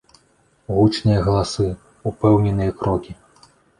Гучныя галасы, упэўненыя крокі.